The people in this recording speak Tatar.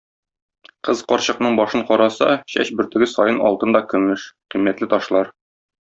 Кыз карчыкның башын караса, чәч бөртеге саен алтын да көмеш, кыйммәтле ташлар.